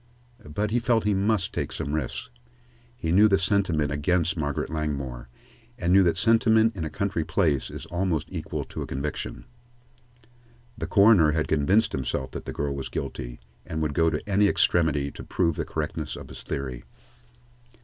But he felt he must take some risks. He knew the sentiment against Margaret Langmore, and knew that sentiment in a country place is almost equal to a conviction. The coroner had convinced himself that the girl was guilty, and would go to any extremity to prove the correctness of his theory.